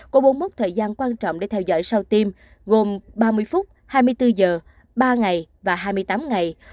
có bốn mốc thời gian quan trọng để theo dõi sau tiêm gồm ba mươi phút hai mươi bốn giờ ba ngày và hai mươi tám ngày